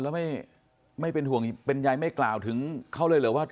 แล้วไม่เป็นห่วงเป็นใยไม่กล่าวถึงเขาเลยเหรอว่า